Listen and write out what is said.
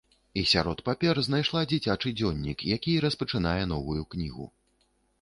І сярод папер знайшла дзіцячы дзённік, які і распачынае новую кнігу!